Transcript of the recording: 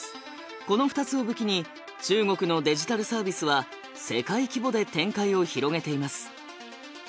この２つを武器に中国のデジタルサービスは世界規模で展開を広げています。